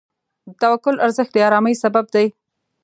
د توکل ارزښت د آرامۍ سبب دی.